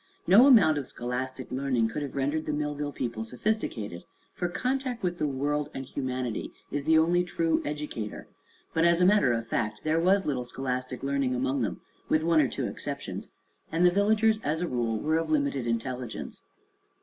No amount of scholastic learning could have rendered the Millville people sophisticated, for contact with the world and humanity is the only true educator; but, as a matter of fact, there was little scholastic learning among them, with one or two exceptions, and the villagers as a rule were of limited intelligence.